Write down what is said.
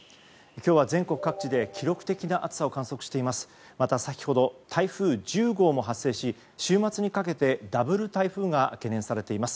今日は全国各地で記録的な暑さを観測しています。